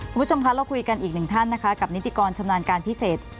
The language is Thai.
คุณผู้ชมคะเราคุยกันอีกหนึ่งท่านนะคะกับนิติกรชำนาญการพิเศษ